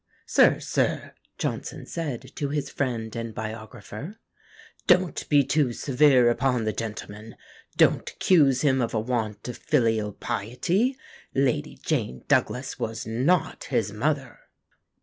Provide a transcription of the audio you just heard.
"Sir, sir," Johnson said to his friend and biographer, "don't be too severe upon the gentleman; don't accuse him of a want of filial piety! Lady Jane Douglas was not his mother."